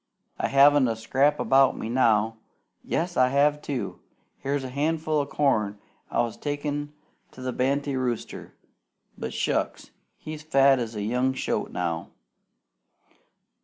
I haven't a scrap about me now. Yes, I have, too! Here's a handful o' corn I was takin' to the banty rooster; but shucks! he's fat as a young shoat now.